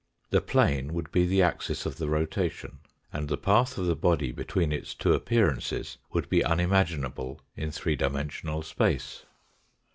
The plane would be the axis of the rotation, and the path of the body between its two appearances would be unimaginable in three dimensional space.